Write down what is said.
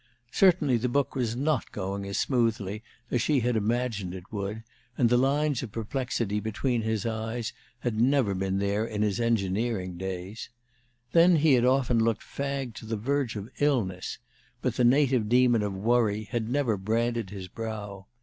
Certainly the book was not going as smoothly as she had imagined it would, and the lines of perplexity between his eyes had never been there in his engineering days. Then he had often looked fagged to the verge of illness, but the native demon of "worry" had never branded his brow.